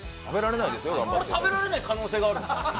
食べられない可能性があるんですか？